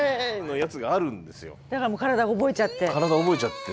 だからもう体が覚えちゃって。